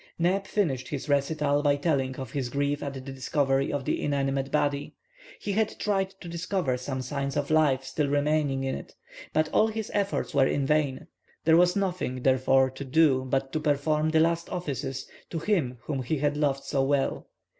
Neb finished his recital by telling of his grief at the discovery of the inanimate body. He had tried to discover some signs of life still remaining in it. But all his efforts were in vain. There was nothing, therefore, to do but to perform the last offices to him whom he had loved so well.